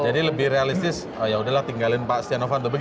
jadi lebih realistis yaudahlah tinggalin pak setia no panto